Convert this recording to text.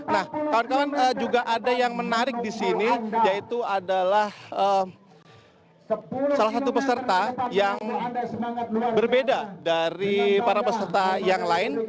nah kawan kawan juga ada yang menarik di sini yaitu adalah salah satu peserta yang berbeda dari para peserta yang lain